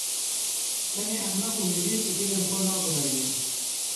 Tenê ehmeq û mirî fikirên xwe naguherînin.